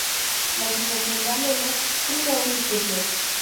La situación de alelo I es especial.